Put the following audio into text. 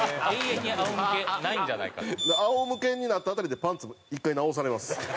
ケンコバ：仰向けになった辺りでパンツ、１回直されます。